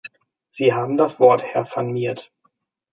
Sie haben das Wort, Herr Van Miert.